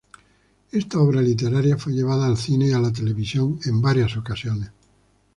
Esta obra literaria fue llevada al cine y a la televisión en varias ocasiones.